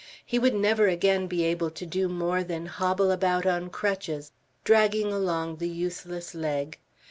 He would never again be able to do more than hobble about on crutches, dragging along the useless leg.